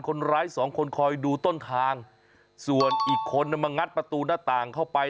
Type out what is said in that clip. คนร้ายสองคนคอยดูต้นทางส่วนอีกคนมางัดประตูหน้าต่างเข้าไป